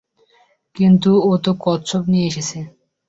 কিন্তু ও তো কচ্ছপ নিয়ে আসছে।